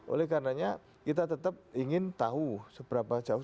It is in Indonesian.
oleh karenanya kita tetap ingin tahu seberapa jauh